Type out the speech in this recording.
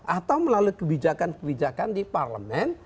atau melalui kebijakan kebijakan di parlemen